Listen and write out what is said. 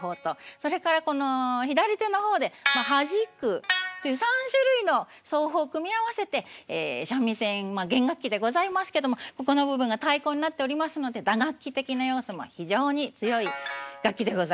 それからこの左手の方で「はじく」という３種類の奏法を組み合わせて三味線弦楽器でございますけどもここの部分が太鼓になっておりますので打楽器的な要素も非常に強い楽器でございます。